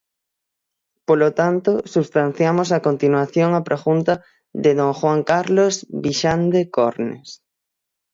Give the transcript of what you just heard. Polo tanto, substanciamos a continuación a pregunta de don Juan Carlos Vixande Cornes.